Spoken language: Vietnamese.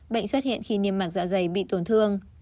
bệnh xuất hiện khi niêm mạc dạ dày bị tổn thương